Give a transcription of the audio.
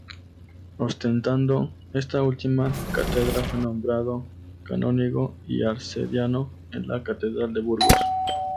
Ostentando esta última cátedra fue nombrado canónigo y arcediano en la catedral de Burgos.